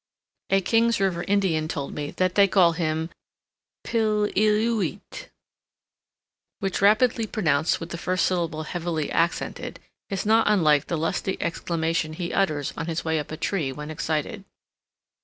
A King's River Indian told me that they call him "Pillillooeet," which, rapidly pronounced with the first syllable heavily accented, is not unlike the lusty exclamation he utters on his way up a tree when excited.